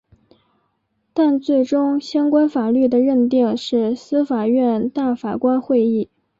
但最终相关法律的认定是司法院大法官会议。